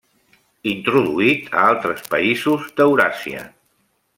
Introduït a altres països d'Euràsia.